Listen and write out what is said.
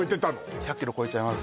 １００ｋｍ超えちゃいます